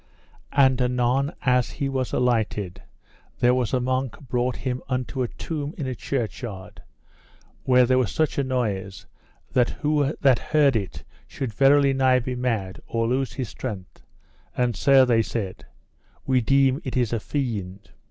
And anon as he was alighted there was a monk brought him unto a tomb in a churchyard, where there was such a noise that who that heard it should verily nigh be mad or lose his strength: and sir, they said, we deem it is a fiend.